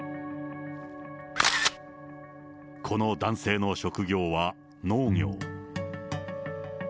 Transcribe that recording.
この男性の職業は農業。